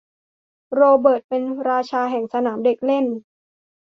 โรเบิร์ตเป็นราชาแห่งสนามเด็กเล่น